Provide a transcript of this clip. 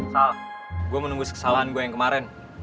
sal gue mau nunggu sekesalahan gue yang kemarin